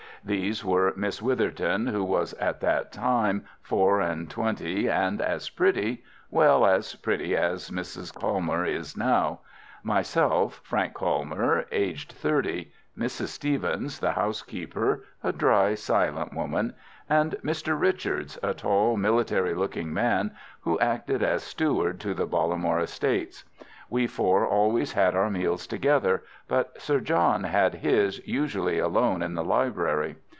These were Miss Witherton, who was at that time four and twenty and as pretty—well, as pretty as Mrs. Colmore is now—myself, Frank Colmore, aged thirty, Mrs. Stevens, the housekeeper, a dry, silent woman, and Mr. Richards, a tall, military looking man, who acted as steward to the Bollamore estates. We four always had our meals together, but Sir John had his usually alone in the library.